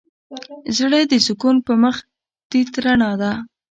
زړه د سکون په مخ تيت رڼا ده.